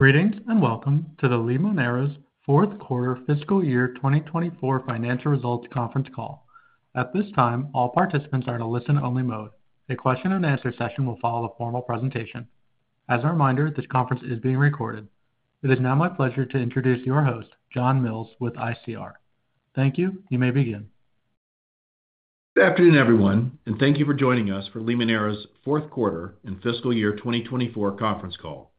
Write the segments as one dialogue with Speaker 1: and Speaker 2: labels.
Speaker 1: Greetings and welcome to the Limoneira's fourth quarter fiscal year 2024 financial results conference call. At this time, all participants are in a listen-only mode. A question-and-answer session will follow the formal presentation. As a reminder, this conference is being recorded. It is now my pleasure to introduce your host, John Mills, with ICR. Thank you. You may begin.
Speaker 2: Good afternoon, everyone, and thank you for joining us for Limoneira's fourth quarter and fiscal year 2024 conference call.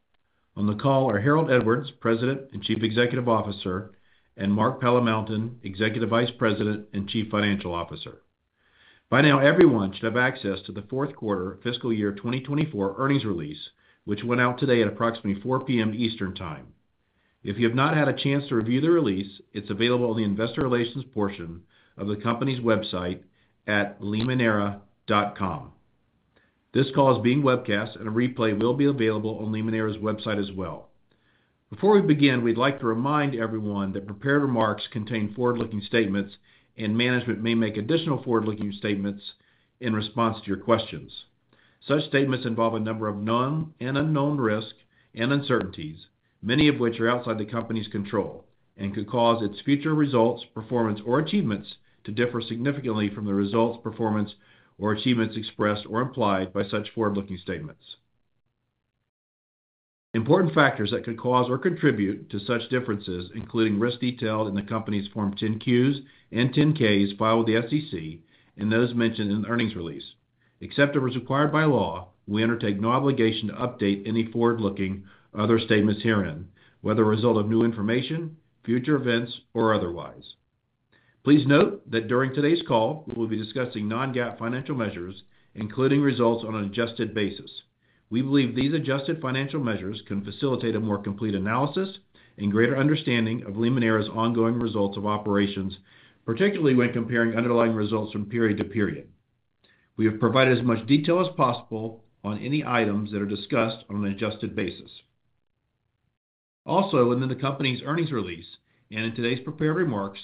Speaker 2: On the call are Harold Edwards, President and Chief Executive Officer, and Mark Palamountain, Executive Vice President and Chief Financial Officer. By now, everyone should have access to the fourth quarter fiscal year 2024 earnings release, which went out today at approximately 4:00 P.M. Eastern Time. If you have not had a chance to review the release, it's available in the investor relations portion of the company's website at limoneira.com. This call is being webcast, and a replay will be available on Limoneira's website as well. Before we begin, we'd like to remind everyone that prepared remarks contain forward-looking statements, and management may make additional forward-looking statements in response to your questions. Such statements involve a number of known and unknown risks and uncertainties, many of which are outside the company's control and could cause its future results, performance, or achievements to differ significantly from the results, performance, or achievements expressed or implied by such forward-looking statements. Important factors that could cause or contribute to such differences include risk detailed in the company's Form 10-Qs and 10-Ks filed with the SEC and those mentioned in the earnings release. Except if it was required by law, we undertake no obligation to update any forward-looking other statements herein, whether a result of new information, future events, or otherwise. Please note that during today's call, we will be discussing non-GAAP financial measures, including results on an adjusted basis. We believe these adjusted financial measures can facilitate a more complete analysis and greater understanding of Limoneira's ongoing results of operations, particularly when comparing underlying results from period to period. We have provided as much detail as possible on any items that are discussed on an adjusted basis. Also, within the company's earnings release and in today's prepared remarks,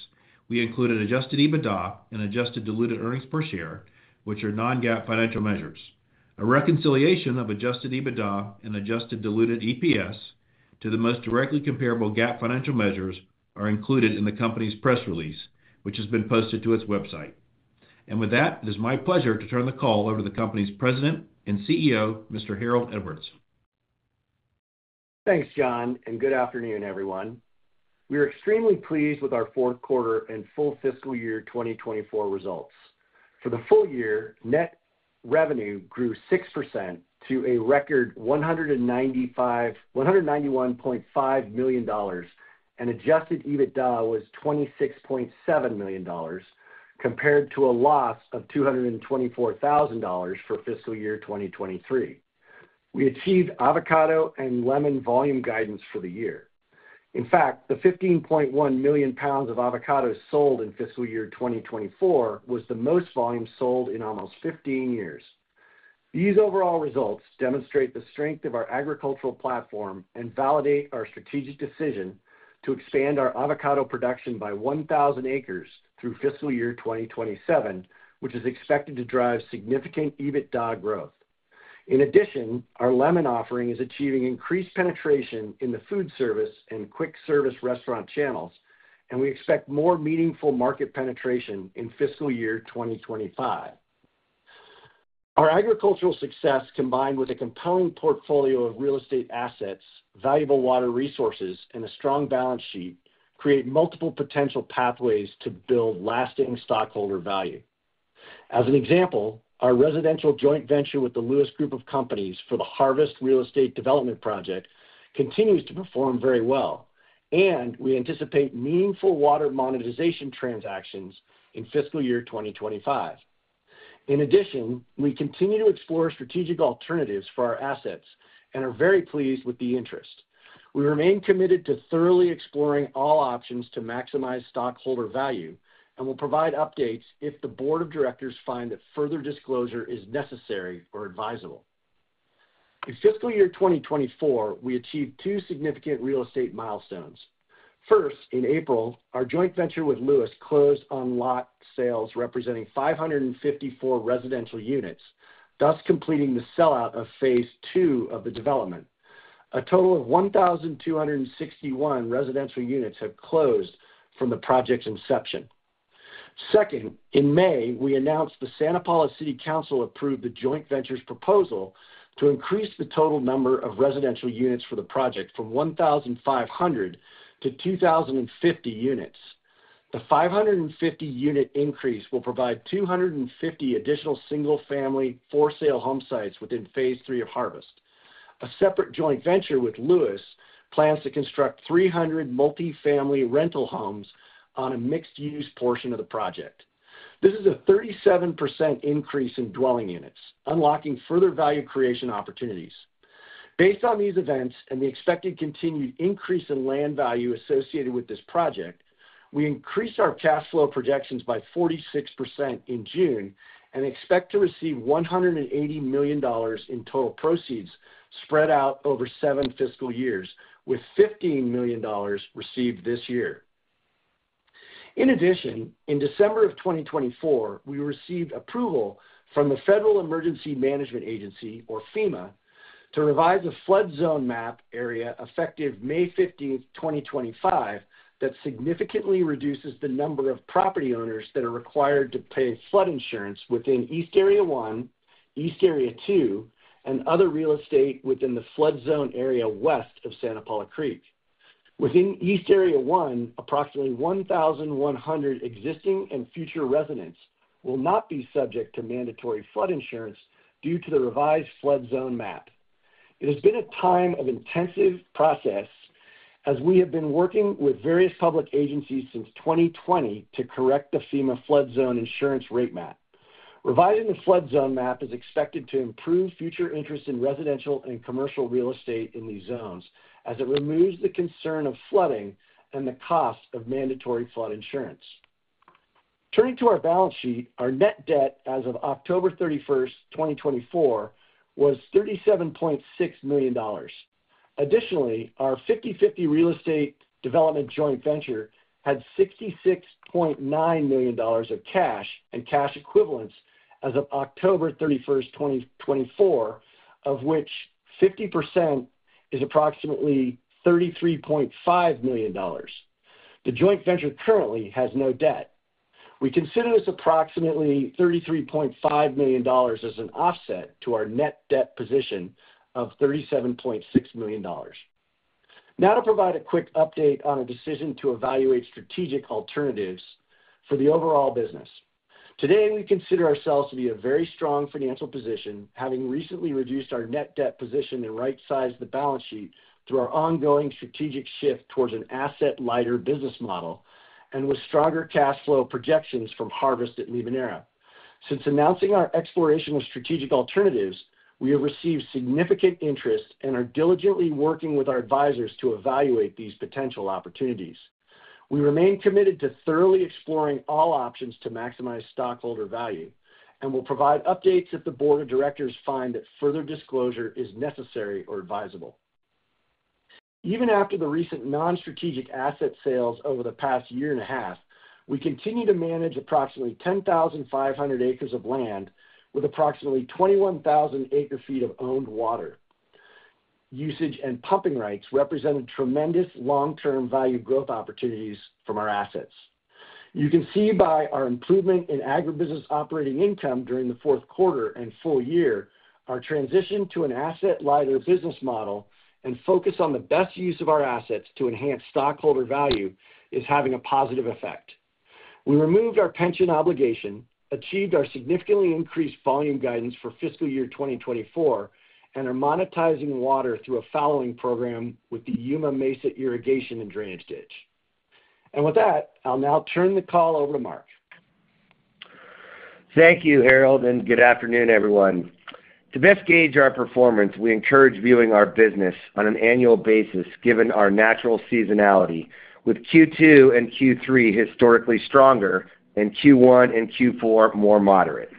Speaker 2: we included Adjusted EBITDA and adjusted diluted earnings per share, which are non-GAAP financial measures. A reconciliation of Adjusted EBITDA and Adjusted Diluted EPS to the most directly comparable GAAP financial measures is included in the company's press release, which has been posted to its website. And with that, it is my pleasure to turn the call over to the company's President and CEO, Mr. Harold Edwards.
Speaker 3: Thanks, John, and good afternoon, everyone. We are extremely pleased with our fourth quarter and full fiscal year 2024 results. For the full year, net revenue grew 6% to a record $191.5 million, and adjusted EBITDA was $26.7 million compared to a loss of $224,000 for fiscal year 2023. We achieved avocado and lemon volume guidance for the year. In fact, the 15.1 million pounds of avocados sold in fiscal year 2024 was the most volume sold in almost 15 years. These overall results demonstrate the strength of our agricultural platform and validate our strategic decision to expand our avocado production by 1,000 acres through fiscal year 2027, which is expected to drive significant EBITDA growth. In addition, our lemon offering is achieving increased penetration in the foodservice and quick-service restaurant channels, and we expect more meaningful market penetration in fiscal year 2025. Our agricultural success, combined with a compelling portfolio of real estate assets, valuable water resources, and a strong balance sheet, create multiple potential pathways to build lasting stockholder value. As an example, our residential joint venture with the Lewis Group of Companies for the Harvest at Limoneira continues to perform very well, and we anticipate meaningful water monetization transactions in fiscal year 2025. In addition, we continue to explore strategic alternatives for our assets and are very pleased with the interest. We remain committed to thoroughly exploring all options to maximize stockholder value and will provide updates if the board of directors find that further disclosure is necessary or advisable. In fiscal year 2024, we achieved two significant real estate milestones. First, in April, our joint venture with Lewis closed on lot sales representing 554 residential units, thus completing the sellout of phase two of the development. A total of 1,261 residential units have closed from the project's inception. Second, in May, we announced the Santa Paula City Council approved the joint venture's proposal to increase the total number of residential units for the project from 1,500 to 2,050 units. The 550-unit increase will provide 250 additional single-family for-sale home sites within phase three of Harvest. A separate joint venture with Lewis plans to construct 300 multi-family rental homes on a mixed-use portion of the project. This is a 37% increase in dwelling units, unlocking further value creation opportunities. Based on these events and the expected continued increase in land value associated with this project, we increased our cash flow projections by 46% in June and expect to receive $180 million in total proceeds spread out over seven fiscal years, with $15 million received this year. In addition, in December of 2024, we received approval from the Federal Emergency Management Agency, or FEMA, to revise a flood zone map area effective May 15, 2025, that significantly reduces the number of property owners that are required to pay flood insurance within East Area One, East Area Two, and other real estate within the flood zone area west of Santa Paula Creek. Within East Area One, approximately 1,100 existing and future residents will not be subject to mandatory flood insurance due to the revised flood zone map. It has been a time of intensive process, as we have been working with various public agencies since 2020 to correct the FEMA flood zone insurance rate map. Revising the flood zone map is expected to improve future interest in residential and commercial real estate in these zones, as it removes the concern of flooding and the cost of mandatory flood insurance. Turning to our balance sheet, our net debt as of October 31, 2024, was $37.6 million. Additionally, our 50/50 real estate development joint venture had $66.9 million of cash and cash equivalents as of October 31, 2024, of which 50% is approximately $33.5 million. The joint venture currently has no debt. We consider this approximately $33.5 million as an offset to our net debt position of $37.6 million. Now, to provide a quick update on our decision to evaluate strategic alternatives for the overall business. Today, we consider ourselves to be in a very strong financial position, having recently reduced our net debt position and right-sized the balance sheet through our ongoing strategic shift towards an asset-lighter business model and with stronger cash flow projections from Harvest at Limoneira. Since announcing our exploration of strategic alternatives, we have received significant interest and are diligently working with our advisors to evaluate these potential opportunities. We remain committed to thoroughly exploring all options to maximize stockholder value and will provide updates if the board of directors find that further disclosure is necessary or advisable. Even after the recent non-strategic asset sales over the past year and a half, we continue to manage approximately 10,500 acres of land with approximately 21,000 acre-feet of owned water usage and pumping rights represented tremendous long-term value growth opportunities from our assets. You can see by our improvement in agribusiness operating income during the fourth quarter and full year, our transition to an asset-lighter business model and focus on the best use of our assets to enhance stockholder value is having a positive effect. We removed our pension obligation, achieved our significantly increased volume guidance for fiscal year 2024, and are monetizing water through a fallowing program with the Yuma Mesa Irrigation and Drainage District. And with that, I'll now turn the call over to Mark.
Speaker 4: Thank you, Harold, and good afternoon, everyone. To best gauge our performance, we encourage viewing our business on an annual basis given our natural seasonality, with Q2 and Q3 historically stronger and Q1 and Q4 more moderate.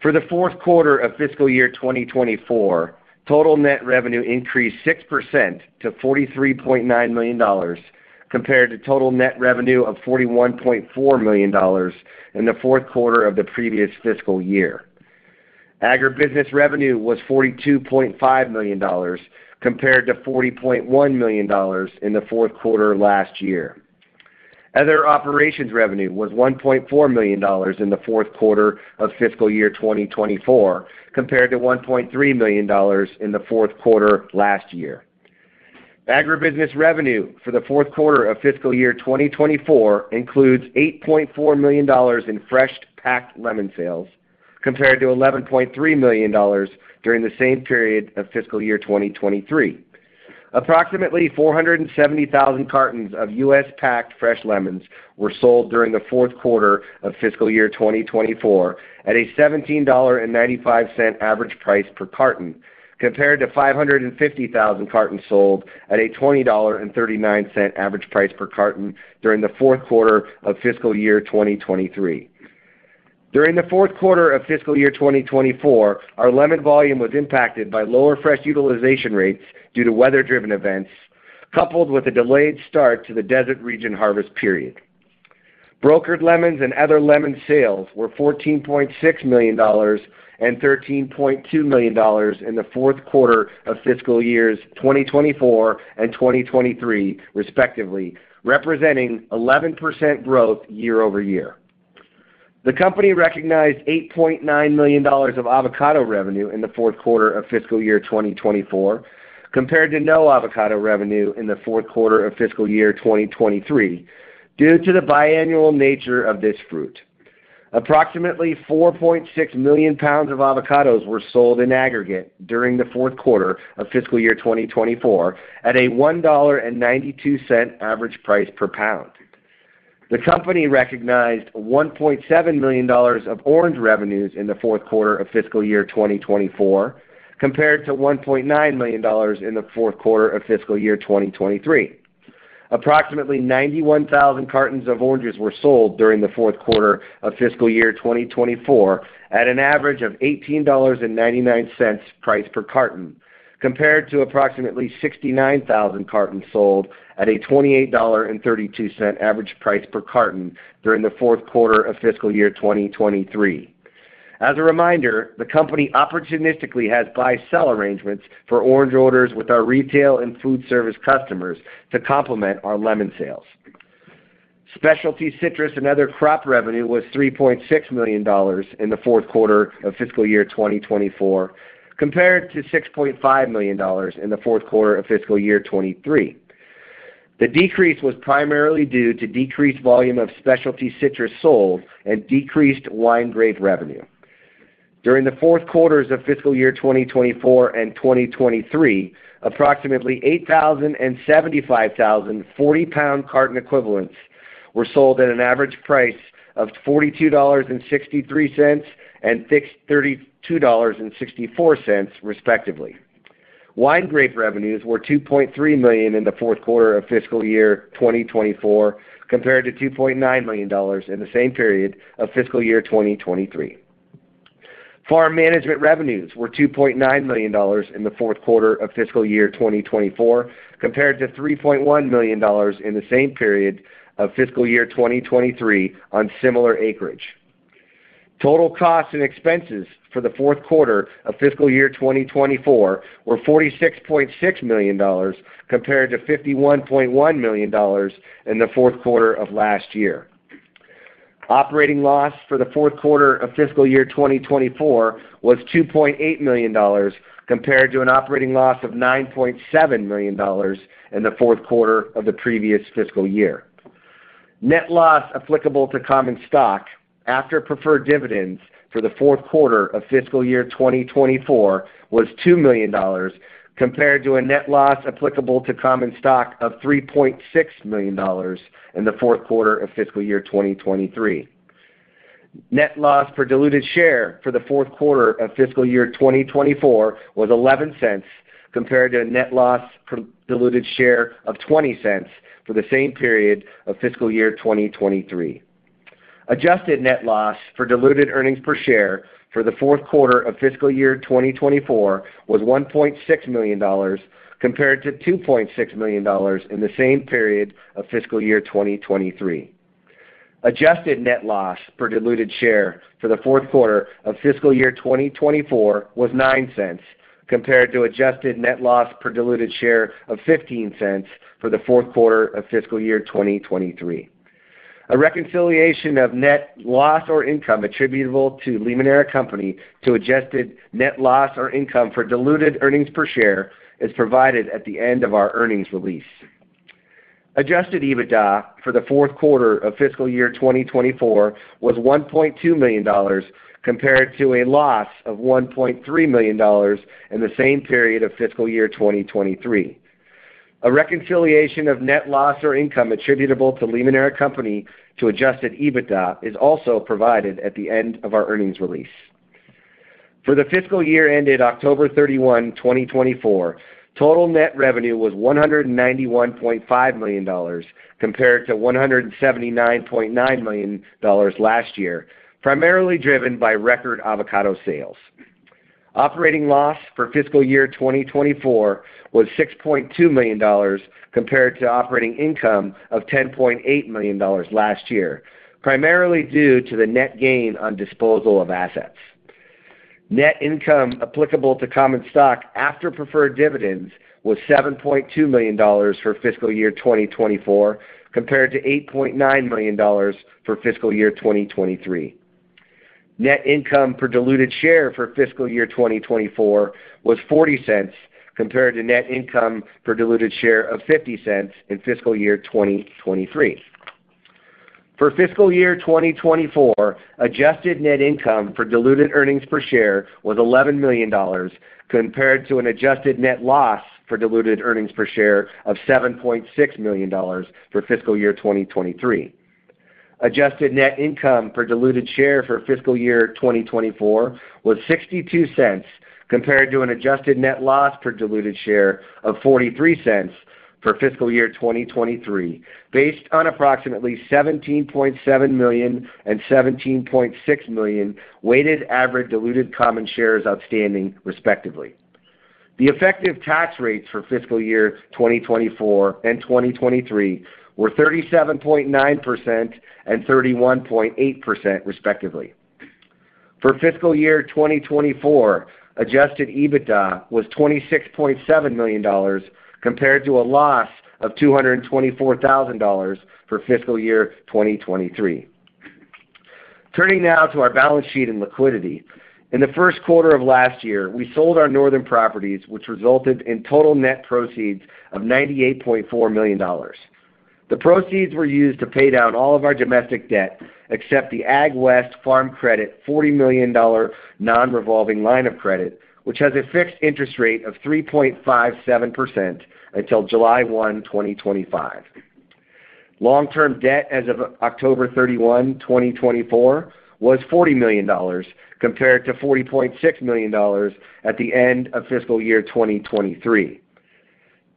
Speaker 4: For the fourth quarter of fiscal year 2024, total net revenue increased 6% to $43.9 million compared to total net revenue of $41.4 million in the fourth quarter of the previous fiscal year. Agribusiness revenue was $42.5 million compared to $40.1 million in the fourth quarter last year. Other operations revenue was $1.4 million in the fourth quarter of fiscal year 2024 compared to $1.3 million in the fourth quarter last year. Agribusiness revenue for the fourth quarter of fiscal year 2024 includes $8.4 million in fresh-packed lemon sales compared to $11.3 million during the same period of fiscal year 2023. Approximately 470,000 cartons of U.S. packed fresh lemons were sold during the fourth quarter of fiscal year 2024 at a $17.95 average price per carton compared to 550,000 cartons sold at a $20.39 average price per carton during the fourth quarter of fiscal year 2023. During the fourth quarter of fiscal year 2024, our lemon volume was impacted by lower fresh utilization rates due to weather-driven events, coupled with a delayed start to the desert region harvest period. Brokered lemons and other lemon sales were $14.6 million and $13.2 million in the fourth quarter of fiscal years 2024 and 2023, respectively, representing 11% growth year over year. The company recognized $8.9 million of avocado revenue in the fourth quarter of fiscal year 2024 compared to no avocado revenue in the fourth quarter of fiscal year 2023 due to the biannual nature of this fruit. Approximately 4.6 million pounds of avocados were sold in aggregate during the fourth quarter of fiscal year 2024 at a $1.92 average price per pound. The company recognized $1.7 million of orange revenues in the fourth quarter of fiscal year 2024 compared to $1.9 million in the fourth quarter of fiscal year 2023. Approximately 91,000 cartons of oranges were sold during the fourth quarter of fiscal year 2024 at an average of $18.99 price per carton compared to approximately 69,000 cartons sold at a $28.32 average price per carton during the fourth quarter of fiscal year 2023. As a reminder, the company opportunistically has buy-sell arrangements for orange orders with our retail and foodservice customers to complement our lemon sales. Specialty citrus and other crop revenue was $3.6 million in the fourth quarter of fiscal year 2024 compared to $6.5 million in the fourth quarter of fiscal year 2023. The decrease was primarily due to decreased volume of specialty citrus sold and decreased wine grape revenue. During the fourth quarters of fiscal year 2024 and 2023, approximately 8,000 and 75,000 40-pound carton equivalents were sold at an average price of $42.63 and $32.64, respectively. Wine grape revenues were $2.3 million in the fourth quarter of fiscal year 2024 compared to $2.9 million in the same period of fiscal year 2023. Farm management revenues were $2.9 million in the fourth quarter of fiscal year 2024 compared to $3.1 million in the same period of fiscal year 2023 on similar acreage. Total costs and expenses for the fourth quarter of fiscal year 2024 were $46.6 million compared to $51.1 million in the fourth quarter of last year. Operating loss for the fourth quarter of fiscal year 2024 was $2.8 million compared to an operating loss of $9.7 million in the fourth quarter of the previous fiscal year. Net loss applicable to common stock after preferred dividends for the fourth quarter of fiscal year 2024 was $2 million compared to a net loss applicable to common stock of $3.6 million in the fourth quarter of fiscal year 2023. Net loss per diluted share for the fourth quarter of fiscal year 2024 was $0.11 compared to a net loss per diluted share of $0.20 for the same period of fiscal year 2023. Adjusted net loss for diluted earnings per share for the fourth quarter of fiscal year 2024 was $1.6 million compared to $2.6 million in the same period of fiscal year 2023. Adjusted net loss per diluted share for the fourth quarter of fiscal year 2024 was $0.09 compared to adjusted net loss per diluted share of $0.15 for the fourth quarter of fiscal year 2023. A reconciliation of net loss or income attributable to Limoneira Company to adjusted net loss or income for diluted earnings per share is provided at the end of our earnings release. Adjusted EBITDA for the fourth quarter of fiscal year 2024 was $1.2 million compared to a loss of $1.3 million in the same period of fiscal year 2023. A reconciliation of net loss or income attributable to Limoneira Company to adjusted EBITDA is also provided at the end of our earnings release. For the fiscal year ended October 31, 2024, total net revenue was $191.5 million compared to $179.9 million last year, primarily driven by record avocado sales. Operating loss for fiscal year 2024 was $6.2 million compared to operating income of $10.8 million last year, primarily due to the net gain on disposal of assets. Net income applicable to common stock after preferred dividends was $7.2 million for fiscal year 2024 compared to $8.9 million for fiscal year 2023. Net income per diluted share for fiscal year 2024 was $0.40 compared to net income per diluted share of $0.50 in fiscal year 2023. For fiscal year 2024, adjusted net income for diluted earnings per share was $11 million compared to an adjusted net loss for diluted earnings per share of $7.6 million for fiscal year 2023. Adjusted net income per diluted share for fiscal year 2024 was $0.62 compared to an adjusted net loss per diluted share of $0.43 for fiscal year 2023, based on approximately 17.7 million and 17.6 million weighted average diluted common shares outstanding, respectively. The effective tax rates for fiscal year 2024 and 2023 were 37.9% and 31.8%, respectively. For fiscal year 2024, adjusted EBITDA was $26.7 million compared to a loss of $224,000 for fiscal year 2023. Turning now to our balance sheet and liquidity. In the first quarter of last year, we sold our northern properties, which resulted in total net proceeds of $98.4 million. The proceeds were used to pay down all of our domestic debt except the AgWest Farm Credit $40 million non-revolving line of credit, which has a fixed interest rate of 3.57% until July 1, 2025. Long-term debt as of October 31, 2024, was $40 million compared to $40.6 million at the end of fiscal year 2023.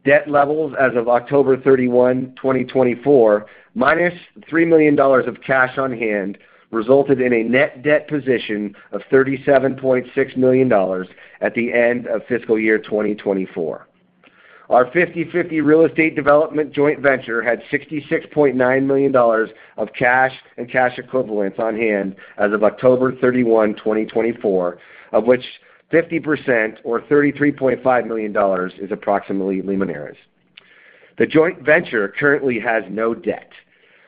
Speaker 4: Debt levels as of October 31, 2024, minus $3 million of cash on hand resulted in a net debt position of $37.6 million at the end of fiscal year 2024. Our 50/50 real estate development joint venture had $66.9 million of cash and cash equivalents on hand as of October 31, 2024, of which 50% or $33.5 million is approximately Limoneira's. The joint venture currently has no debt.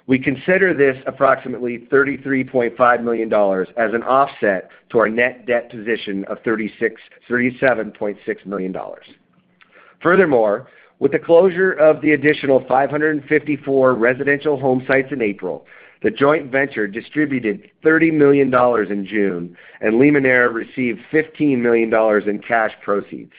Speaker 4: We consider this approximately $33.5 million as an offset to our net debt position of $37.6 million. Furthermore, with the closure of the additional 554 residential home sites in April, the joint venture distributed $30 million in June, and Limoneira received $15 million in cash proceeds.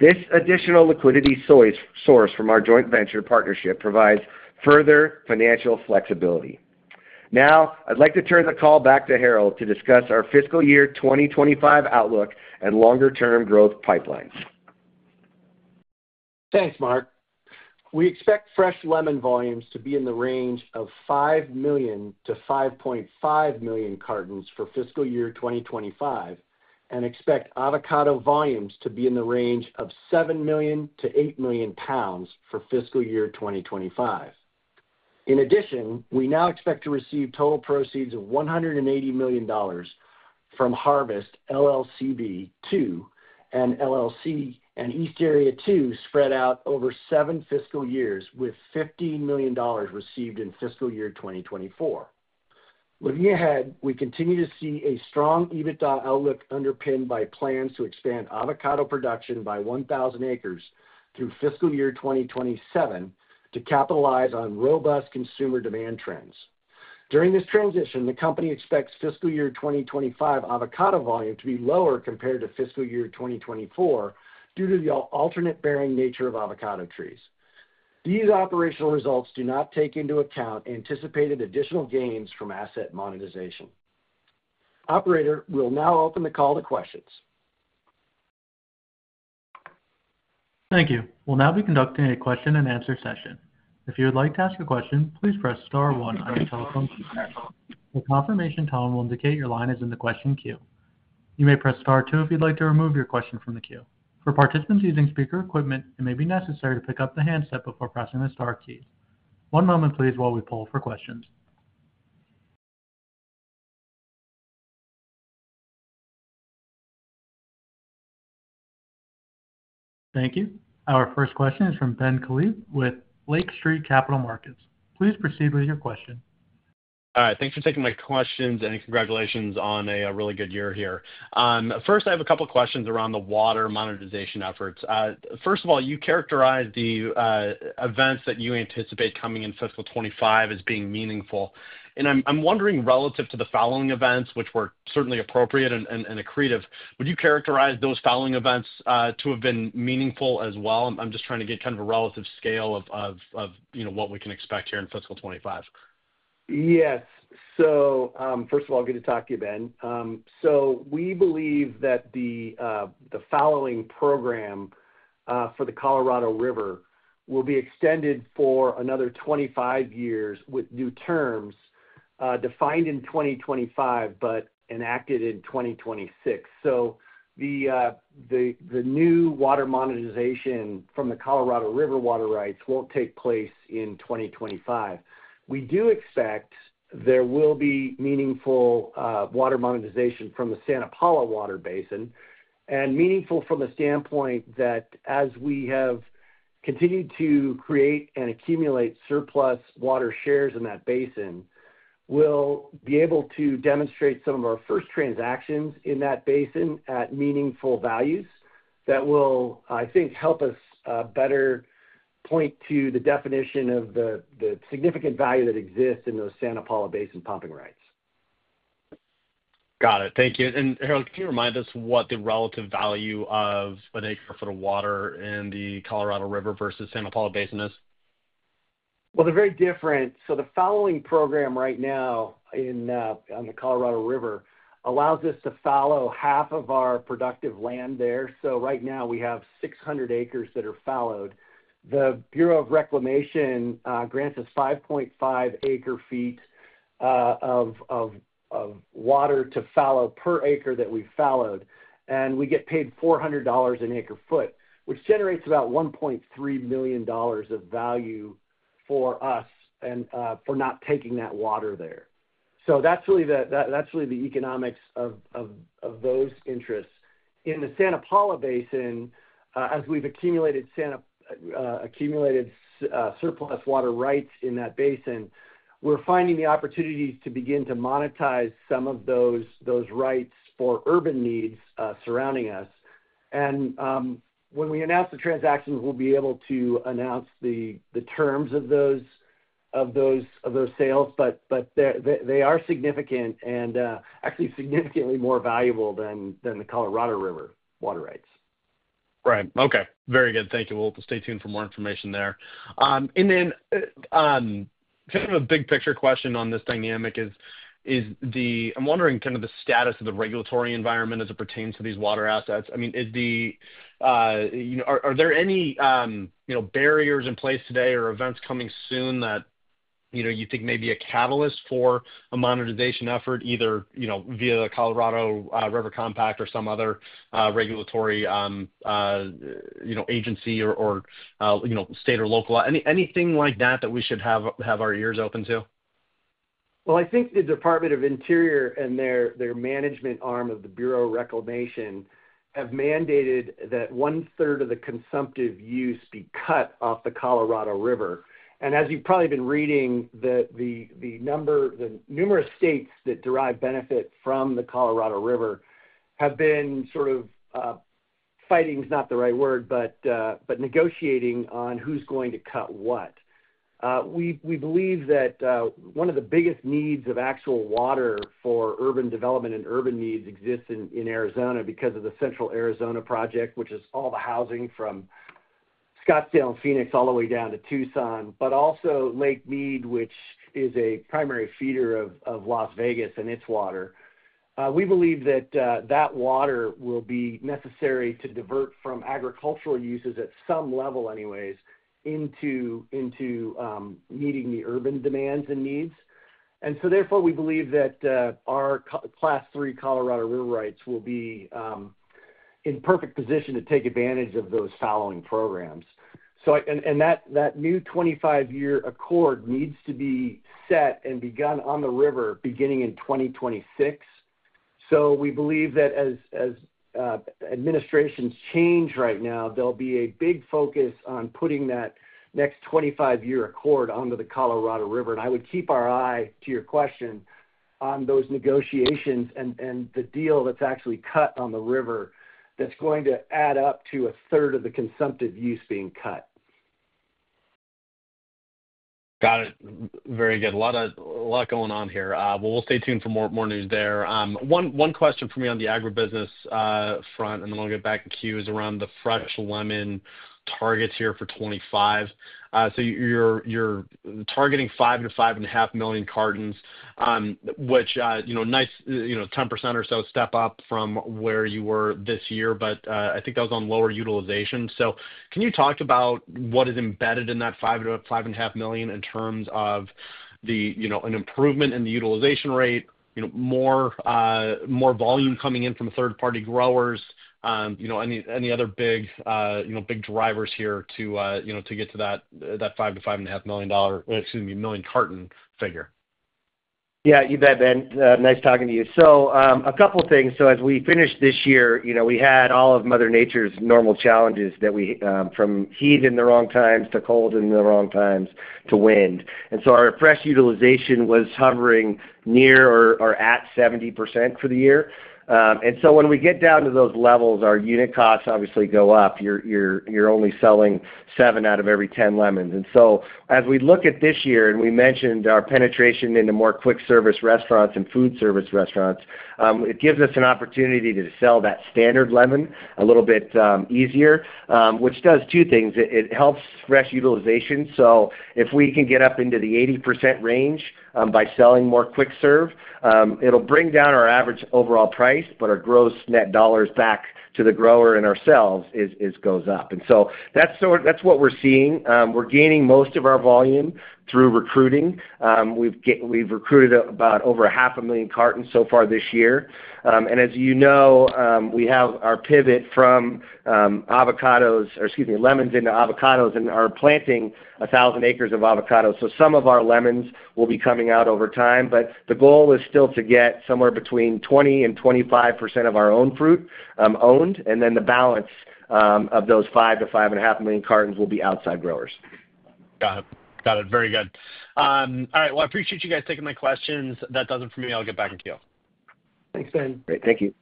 Speaker 4: This additional liquidity source from our joint venture partnership provides further financial flexibility. Now, I'd like to turn the call back to Harold to discuss our fiscal year 2025 outlook and longer-term growth pipelines.
Speaker 3: Thanks, Mark. We expect fresh lemon volumes to be in the range of 5 million-5.5 million cartons for fiscal year 2025 and expect avocado volumes to be in the range of 7 million-8 million pounds for fiscal year 2025. In addition, we now expect to receive total proceeds of $180 million from Harvest LLCB II and LLC and East Area II spread out over seven fiscal years, with $15 million received in fiscal year 2024. Looking ahead, we continue to see a strong EBITDA outlook underpinned by plans to expand avocado production by 1,000 acres through fiscal year 2027 to capitalize on robust consumer demand trends. During this transition, the company expects fiscal year 2025 avocado volume to be lower compared to fiscal year 2024 due to the alternate-bearing nature of avocado trees. These operational results do not take into account anticipated additional gains from asset monetization. Operator, we'll now open the call to questions.
Speaker 1: Thank you. We'll now be conducting a question-and-answer session. If you would like to ask a question, please press star one on your telephone keypad. A confirmation tone will indicate your line is in the question queue. You may press star two if you'd like to remove your question from the queue. For participants using speaker equipment, it may be necessary to pick up the handset before pressing the star keys. One moment, please, while we pull for questions. Thank you. Our first question is from Ben Klieve with Lake Street Capital Markets. Please proceed with your question.
Speaker 5: All right. Thanks for taking my questions and congratulations on a really good year here. First, I have a couple of questions around the water monetization efforts. First of all, you characterize the events that you anticipate coming in fiscal 2025 as being meaningful, and I'm wondering relative to the fallowing events, which were certainly appropriate and accretive, would you characterize those fallowing events to have been meaningful as well? I'm just trying to get kind of a relative scale of what we can expect here in fiscal 2025.
Speaker 3: Yes. First of all, good to talk to you, Ben. We believe that the fallowing program for the Colorado River will be extended for another 25 years with new terms defined in 2025 but enacted in 2026. The new water monetization from the Colorado River water rights won't take place in 2025. We do expect there will be meaningful water monetization from the Santa Paula Basin and meaningful from the standpoint that as we have continued to create and accumulate surplus water shares in that basin, we'll be able to demonstrate some of our first transactions in that basin at meaningful values that will, I think, help us better point to the definition of the significant value that exists in those Santa Paula Basin pumping rights.
Speaker 5: Got it. Thank you, and Harold, can you remind us what the relative value of an acre for the water in the Colorado River versus Santa Paula Basin is?
Speaker 3: They're very different. The fallowing program right now on the Colorado River allows us to fallow half of our productive land there. Right now, we have 600 acres that are fallowed. The Bureau of Reclamation grants us 5.5 acre-feet of water to fallow per acre that we've fallowed. And we get paid $400 an acre-foot, which generates about $1.3 million of value for us for not taking that water there. That's really the economics of those interests. In the Santa Paula Basin, as we've accumulated surplus water rights in that basin, we're finding the opportunities to begin to monetize some of those rights for urban needs surrounding us. And when we announce the transactions, we'll be able to announce the terms of those sales, but they are significant and actually significantly more valuable than the Colorado River water rights.
Speaker 5: Right. Okay. Very good. Thank you. We'll stay tuned for more information there. And then kind of a big picture question on this dynamic is, I'm wondering kind of the status of the regulatory environment as it pertains to these water assets. I mean, are there any barriers in place today or events coming soon that you think may be a catalyst for a monetization effort, either via the Colorado River Compact or some other regulatory agency or state or local? Anything like that that we should have our ears open to?
Speaker 3: I think the Department of the Interior and their management arm of the Bureau of Reclamation have mandated that one-third of the consumptive use be cut off the Colorado River. As you've probably been reading, the numerous states that derive benefit from the Colorado River have been sort of fighting is not the right word, but negotiating on who's going to cut what. We believe that one of the biggest needs of actual water for urban development and urban needs exists in Arizona because of the Central Arizona Project, which is all the housing from Scottsdale and Phoenix all the way down to Tucson, but also Lake Mead, which is a primary feeder of Las Vegas and its water. We believe that that water will be necessary to divert from agricultural uses at some level anyways into meeting the urban demands and needs. Therefore, we believe that our Class III Colorado River Rights will be in perfect position to take advantage of those fallowing programs. That new 25-year accord needs to be set and begun on the river beginning in 2026. We believe that as administrations change right now, there'll be a big focus on putting that next 25-year accord onto the Colorado River. I would keep an eye, to your question, on those negotiations and the deal that's actually cut on the river that's going to add up to a third of the consumptive use being cut.
Speaker 5: Got it. Very good. A lot going on here. Well, we'll stay tuned for more news there. One question for me on the agribusiness front, and then we'll get back in queue, is around the fresh lemon targets here for 2025. So you're targeting 5-5.5 million cartons, which nice 10% or so step up from where you were this year, but I think that was on lower utilization. So can you talk about what is embedded in that 5-5.5 million in terms of an improvement in the utilization rate, more volume coming in from third-party growers, any other big drivers here to get to that 5-5.5 million carton figure?
Speaker 3: Yeah. You bet, Ben. Nice talking to you. So a couple of things. So as we finished this year, we had all of Mother Nature's normal challenges from heat in the wrong times to cold in the wrong times to wind. And so our fresh utilization was hovering near or at 70% for the year. And so when we get down to those levels, our unit costs obviously go up. You're only selling seven out of every 10 lemons. And so as we look at this year and we mentioned our penetration into more quick-service restaurants and food service restaurants, it gives us an opportunity to sell that standard lemon a little bit easier, which does two things. It helps fresh utilization. So if we can get up into the 80% range by selling more quick-serve, it'll bring down our average overall price, but our gross net dollars back to the grower and ourselves goes up. And so that's what we're seeing. We're gaining most of our volume through recruiting. We've recruited about over 500,000 cartons so far this year. And as you know, we have our pivot from avocados or excuse me, lemons into avocados, and are planting 1,000 acres of avocados. So some of our lemons will be coming out over time, but the goal is still to get somewhere between 20% and 25% of our own fruit owned, and then the balance of those 5-5.5 million cartons will be outside growers.
Speaker 5: Got it. Got it. Very good. All right. Well, I appreciate you guys taking my questions. That does it for me. I'll get back in queue.
Speaker 3: Thanks, Ben.
Speaker 5: Great. Thank you.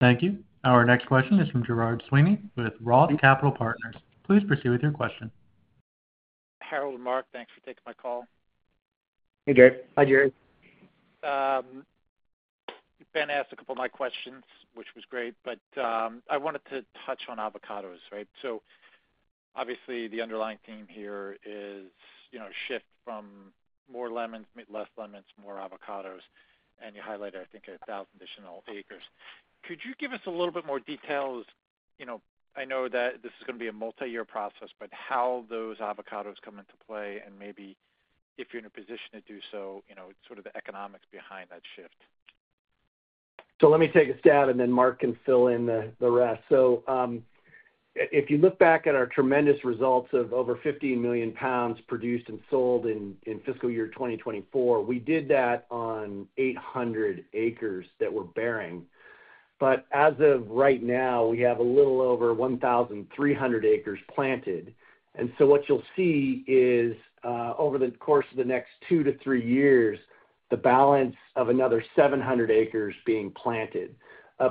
Speaker 1: Thank you. Our next question is from Gerard Sweeney with Roth Capital Partners. Please proceed with your question.
Speaker 6: Harold and Mark, thanks for taking my call.
Speaker 3: Hey, Jared.
Speaker 4: Hi, Gerard.
Speaker 6: Ben asked a couple of my questions, which was great, but I wanted to touch on avocados, right? So obviously, the underlying theme here is shift from more lemons, less lemons, more avocados, and you highlighted, I think, 1,000 additional acres. Could you give us a little bit more details? I know that this is going to be a multi-year process, but how those avocados come into play and maybe if you're in a position to do so, sort of the economics behind that shift?
Speaker 3: So let me take a stab and then Mark can fill in the rest. So if you look back at our tremendous results of over 15 million pounds produced and sold in fiscal year 2024, we did that on 800 acres that were bearing. But as of right now, we have a little over 1,300 acres planted. And so what you'll see is over the course of the next two to three years, the balance of another 700 acres being planted.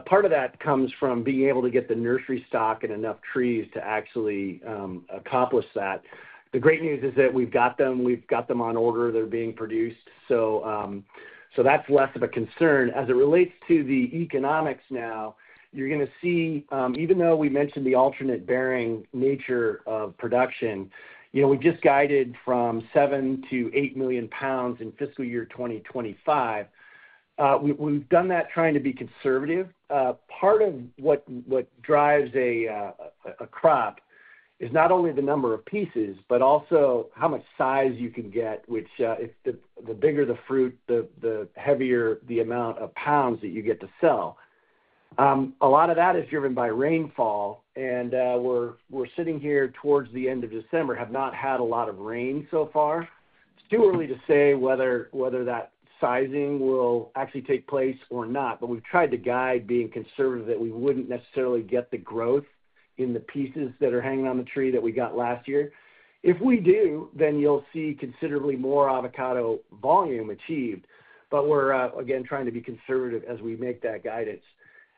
Speaker 3: Part of that comes from being able to get the nursery stock and enough trees to actually accomplish that. The great news is that we've got them. We've got them on order. They're being produced. So that's less of a concern. As it relates to the economics now, you're going to see, even though we mentioned the alternate-bearing nature of production, we just guided from seven to eight million pounds in fiscal year 2025. We've done that trying to be conservative. Part of what drives a crop is not only the number of pieces, but also how much size you can get, which the bigger the fruit, the heavier the amount of pounds that you get to sell. A lot of that is driven by rainfall. And we're sitting here towards the end of December, have not had a lot of rain so far. It's too early to say whether that sizing will actually take place or not, but we've tried to guide being conservative that we wouldn't necessarily get the growth in the pieces that are hanging on the tree that we got last year. If we do, then you'll see considerably more avocado volume achieved. But we're, again, trying to be conservative as we make that guidance.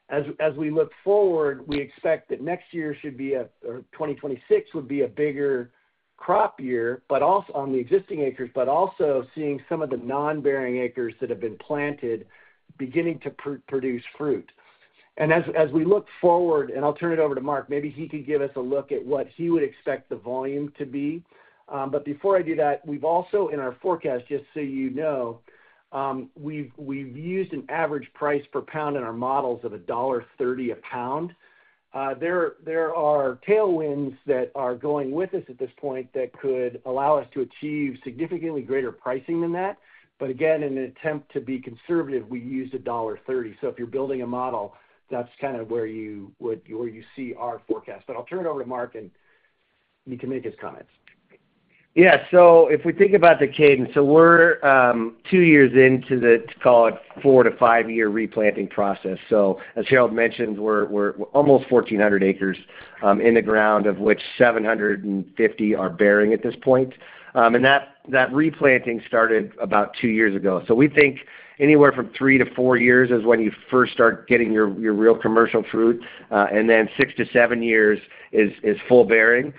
Speaker 3: As we look forward, we expect that next year should be a 2026 would be a bigger crop year on the existing acres, but also seeing some of the non-bearing acres that have been planted beginning to produce fruit. And as we look forward, and I'll turn it over to Mark, maybe he can give us a look at what he would expect the volume to be. But before I do that, we've also in our forecast, just so you know, we've used an average price per pound in our models of $1.30 a pound. There are tailwinds that are going with us at this point that could allow us to achieve significantly greater pricing than that. But again, in an attempt to be conservative, we used $1.30. So if you're building a model, that's kind of where you see our forecast. But I'll turn it over to Mark, and you can make his comments.
Speaker 4: Yeah, so if we think about the cadence, so we're two years into the, call it, four to five-year replanting process, so as Harold mentioned, we're almost 1,400 acres in the ground, of which 750 are bearing at this point, and that replanting started about two years ago, so we think anywhere from three to four years is when you first start getting your real commercial fruit, and then six to seven years is full bearing.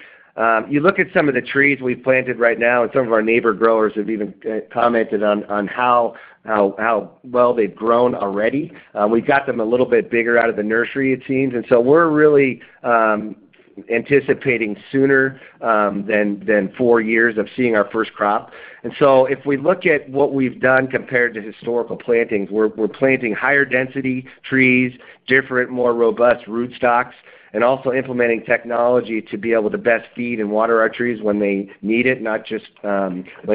Speaker 4: You look at some of the trees we've planted right now, and some of our neighbor growers have even commented on how well they've grown already. We've got them a little bit bigger out of the nursery, it seems, and so we're really anticipating sooner than four years of seeing our first crop. If we look at what we've done compared to historical plantings, we're planting higher-density trees, different, more robust rootstocks, and also implementing technology to be able to best feed and water our trees when they need it, not just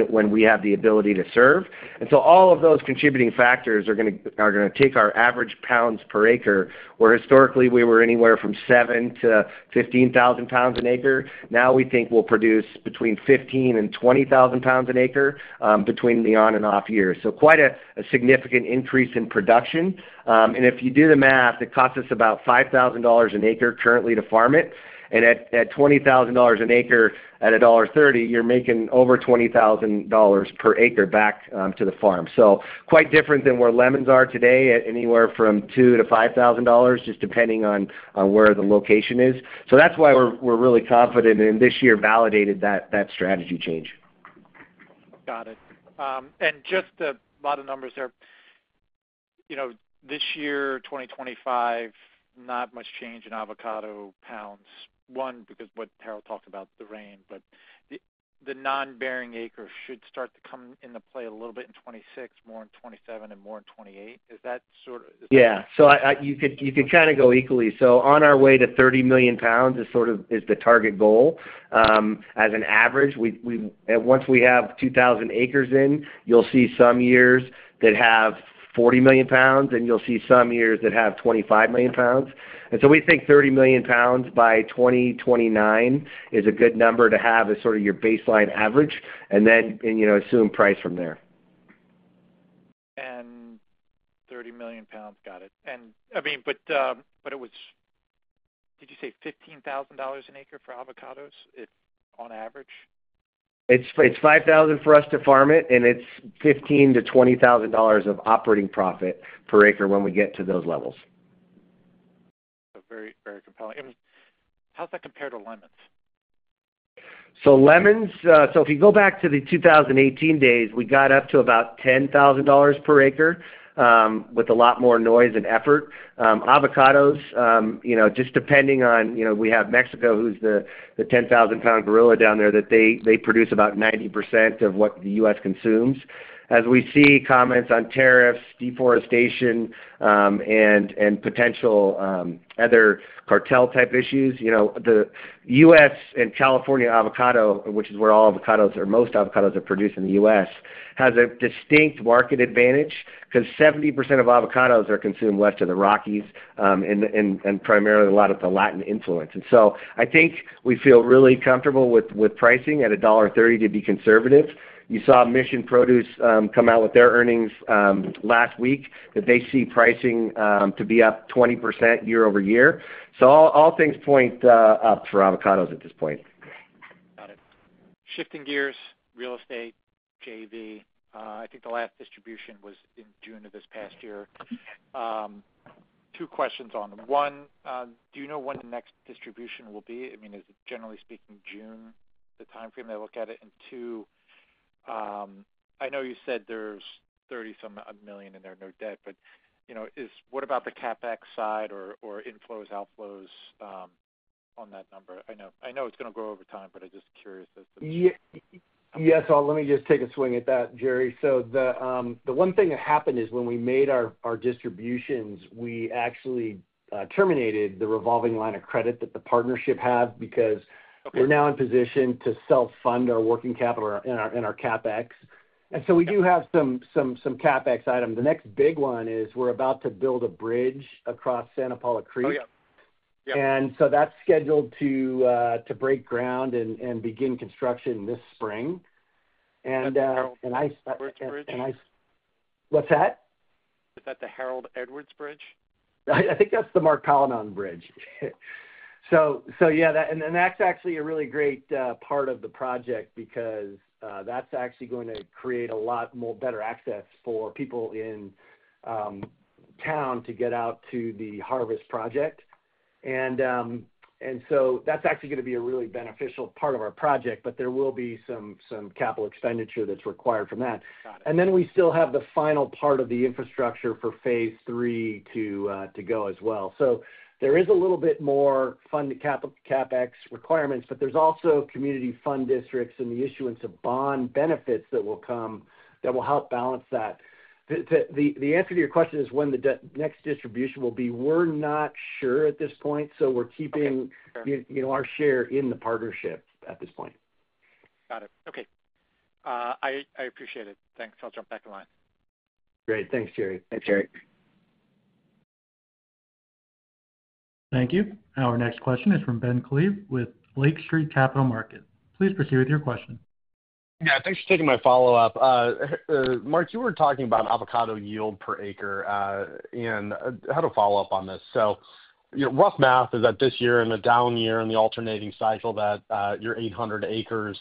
Speaker 4: when we have the ability to serve. All of those contributing factors are going to take our average pounds per acre, where historically we were anywhere from seven to 15,000 pounds an acre. Now we think we'll produce between 15 and 20,000 pounds an acre between the on-and-off years. Quite a significant increase in production. If you do the math, it costs us about $5,000 an acre currently to farm it. At $20,000 an acre at $1.30, you're making over $20,000 per acre back to the farm. Quite different than where lemons are today at anywhere from $2-$5,000, just depending on where the location is. That's why we're really confident, and this year validated that strategy change.
Speaker 6: Got it. And just a lot of numbers there. This year, 2025, not much change in avocado pounds. One, because what Harold talked about, the rain, but the non-bearing acres should start to come into play a little bit in 2026, more in 2027, and more in 2028. Is that sort of?
Speaker 4: Yeah. So you can kind of go equally. So on our way to 30 million pounds is the target goal. As an average, once we have 2,000 acres in, you'll see some years that have 40 million pounds, and you'll see some years that have 25 million pounds. And so we think 30 million pounds by 2029 is a good number to have as sort of your baseline average, and then assume price from there.
Speaker 6: 30 million pounds, got it. I mean, but it was, did you say $15,000 an acre for avocados on average?
Speaker 4: It's $5,000 for us to farm it, and it's $15,000-$20,000 of operating profit per acre when we get to those levels.
Speaker 6: Very compelling. How's that compared to lemons?
Speaker 4: So, lemons? So if you go back to the 2018 days, we got up to about $10,000 per acre with a lot more noise and effort. Avocados, just depending on we have Mexico, who's the 10,000-pound gorilla down there, that they produce about 90% of what the U.S. consumes. As we see comments on tariffs, deforestation, and potential other cartel-type issues, the U.S. and California avocado, which is where all avocados or most avocados are produced in the U.S., has a distinct market advantage because 70% of avocados are consumed west of the Rockies and primarily a lot of the Latin influence. And so I think we feel really comfortable with pricing at $1.30 to be conservative. You saw Mission Produce come out with their earnings last week that they see pricing to be up 20% year over year. So all things point up for avocados at this point.
Speaker 6: Got it. Shifting gears, real estate, JV. I think the last distribution was in June of this past year. Two questions on them. One, do you know when the next distribution will be? I mean, is it generally speaking June, the timeframe they look at it? And two, I know you said there's 30-some million in there, no debt, but what about the CapEx side or inflows, outflows on that number? I know it's going to grow over time, but I'm just curious as to.
Speaker 3: Yeah. So let me just take a swing at that, Jerry. So the one thing that happened is when we made our distributions, we actually terminated the revolving line of credit that the partnership had because we're now in position to self-fund our working capital and our CapEx. And so we do have some CapEx items. The next big one is we're about to build a bridge across Santa Paula Creek. And so that's scheduled to break ground and begin construction this spring. And I.
Speaker 6: Harold Edwards Bridge.
Speaker 3: What's that?
Speaker 6: Is that the Harold Edwards Bridge?
Speaker 3: I think that's the McKevett Bridge. So yeah, and that's actually a really great part of the project because that's actually going to create a lot more better access for people in town to get out to the harvest project. And so that's actually going to be a really beneficial part of our project, but there will be some capital expenditure that's required from that. And then we still have the final part of the infrastructure for phase three to go as well. So there is a little bit more funded CapEx requirements, but there's also community fund districts and the issuance of bond benefits that will come that will help balance that. The answer to your question is when the next distribution will be. We're not sure at this point, so we're keeping our share in the partnership at this point.
Speaker 6: Got it. Okay. I appreciate it. Thanks. I'll jump back in line.
Speaker 3: Great. Thanks, Jerry.
Speaker 4: Thanks, Jerry.
Speaker 1: Thank you. Our next question is from Ben Klieve with Lake Street Capital Markets. Please proceed with your question.
Speaker 5: Yeah. Thanks for taking my follow-up. Mark, you were talking about avocado yield per acre, and I had a follow-up on this. So rough math is that this year, in a down year in the alternating cycle, that your 800 acres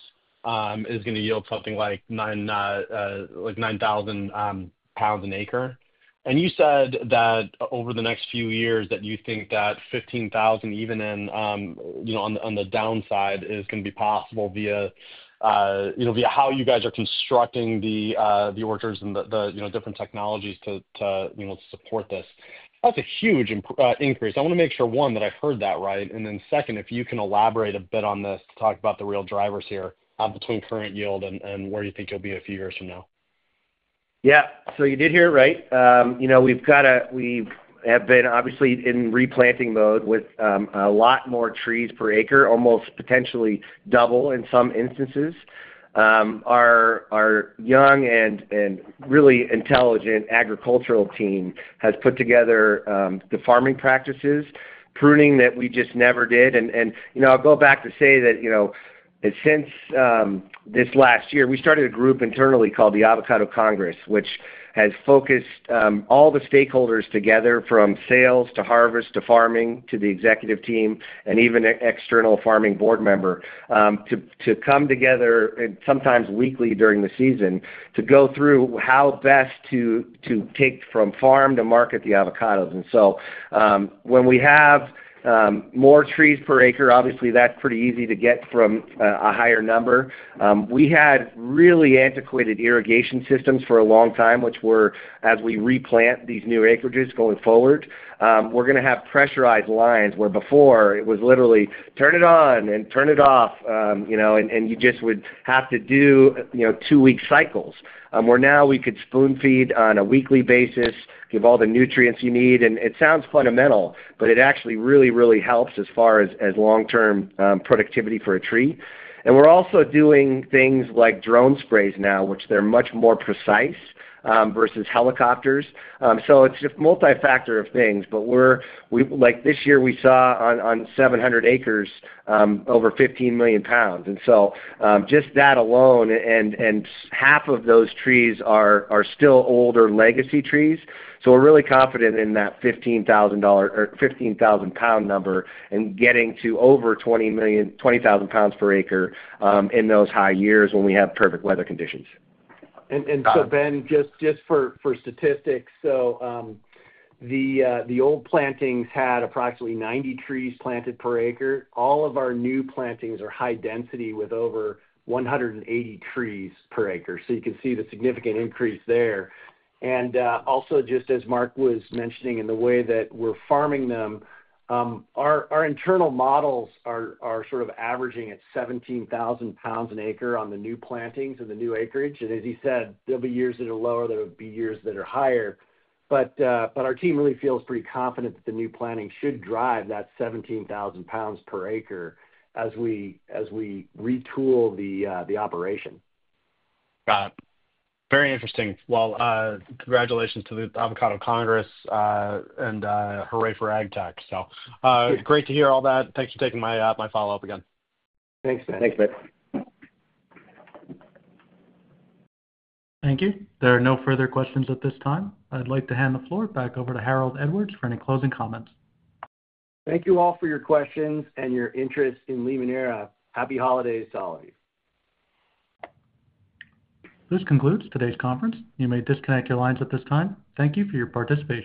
Speaker 5: is going to yield something like 9,000 pounds an acre. And you said that over the next few years that you think that 15,000, even on the downside, is going to be possible via how you guys are constructing the orchards and the different technologies to support this. That's a huge increase. I want to make sure, one, that I heard that right. And then second, if you can elaborate a bit on this to talk about the real drivers here between current yield and where you think you'll be a few years from now.
Speaker 4: Yeah. So you did hear it right. We've had been obviously in replanting mode with a lot more trees per acre, almost potentially double in some instances. Our young and really intelligent agricultural team has put together the farming practices, pruning that we just never did, and I'll go back to say that since this last year, we started a group internally called the Avocado Congress, which has focused all the stakeholders together from sales to harvest to farming to the executive team and even an external farming board member to come together sometimes weekly during the season to go through how best to take from farm to market the avocados. And so when we have more trees per acre, obviously, that's pretty easy to get from a higher number. We had really antiquated irrigation systems for a long time, which were, as we replant these new acreages going forward, we're going to have pressurized lines where before it was literally turn it on and turn it off, and you just would have to do two-week cycles. Where now we could spoon-feed on a weekly basis, give all the nutrients you need. And it sounds fundamental, but it actually really, really helps as far as long-term productivity for a tree. And we're also doing things like drone sprays now, which they're much more precise versus helicopters. So it's just multifactor of things. But this year, we saw on 700 acres over 15 million pounds. And so just that alone, and half of those trees are still older legacy trees. So we're really confident in that 15,000-pound number and getting to over 20,000 pounds per acre in those high years when we have perfect weather conditions.
Speaker 3: And so Ben, just for statistics, so the old plantings had approximately 90 trees planted per acre. All of our new plantings are high-density with over 180 trees per acre. So you can see the significant increase there. And also, just as Mark was mentioning in the way that we're farming them, our internal models are sort of averaging at 17,000 pounds per acre on the new plantings and the new acreage. And as he said, there'll be years that are lower. There'll be years that are higher. But our team really feels pretty confident that the new planting should drive that 17,000 pounds per acre as we retool the operation.
Speaker 5: Got it. Very interesting. Well, congratulations to the Avocado Congress and Hooray for Ag Tech. So great to hear all that. Thanks for taking my follow-up again.
Speaker 4: Thanks, Ben.
Speaker 3: Thanks, Ben.
Speaker 1: Thank you. There are no further questions at this time. I'd like to hand the floor back over to Harold Edwards for any closing comments.
Speaker 3: Thank you all for your questions and your interest in Limoneira. Happy holidays to all of you.
Speaker 1: This concludes today's conference. You may disconnect your lines at this time. Thank you for your participation.